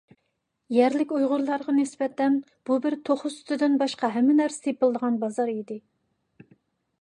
يەرلىك ئۇيغۇرلارغا نىسبەتەن، بۇ بىر «توخۇ سۈتىدىن باشقا ھەممە نەرسە تېپىلىدىغان بازار» ئىدى.